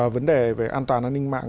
vấn đề về an toàn an ninh mạng